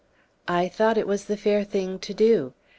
"I thought it was the fair thing to do."